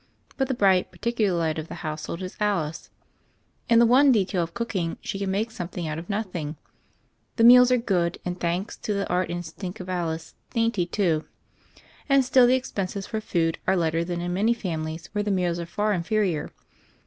But the bright, par ticular light of the household is Alice. In the one detail of cooking, she can make something out of nothing. The meals are good, and thanks to the art instinct of Alice, dainty, too. And still the expenses for food are lighter than in many a family where the meals are far in ferior.